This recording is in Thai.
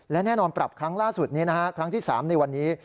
และแน่นอนปรับครั้งล่าสุดนี้ครั้งที่๓ในวันนี้